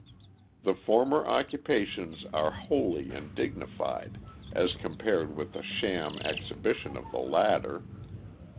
The former occupations are holy and dignified as compared with the sham exhibition of the latter.